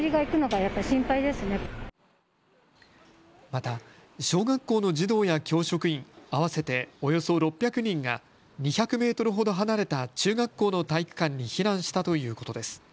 また小学校の児童や教職員合わせておよそ６００人が２００メートルほど離れた中学校の体育館に避難したということです。